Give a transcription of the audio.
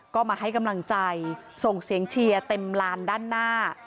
ก็มาให้กำลังใจส่งเสียงเชียร์เต็มลานด้านหน้า